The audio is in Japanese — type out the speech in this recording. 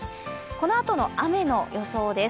このあとの雨の予想です。